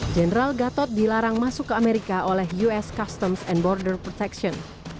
general gatot dilarang masuk ke amerika oleh us customs and border protection